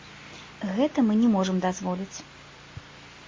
Гэта мы не можам дазволіць.